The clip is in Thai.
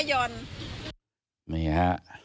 กฎหมายเมืองไทยยอด